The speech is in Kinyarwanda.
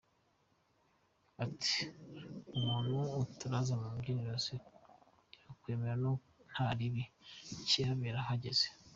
Ati: “umuntu utaraza mu kabyiniro yakwemera ko ntakibi kihabera ahageze.